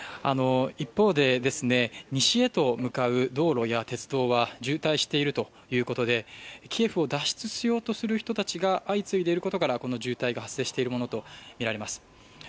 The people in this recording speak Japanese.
一方で、西へと向かう道路や鉄道は渋滞しているということでキエフを脱出しようとしている人たちが相次いでいることからこの渋滞が発生しているものとみられます。